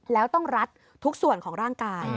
แล้วต้องรัดทุกส่วนของร่างกาย